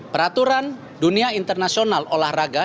peraturan dunia internasional olahraga